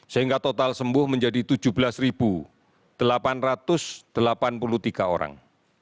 sehingga total sembuh menjadi tujuh belas delapan ratus delapan puluh tiga orang